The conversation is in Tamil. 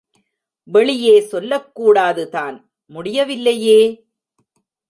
வெளியே சொல்லக்கூடாதுதான் முடியவில்லையே!